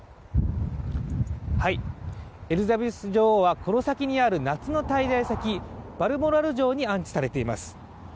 エリザベス女王はこの先にある夏の滞在先バルモラル城に安置されています。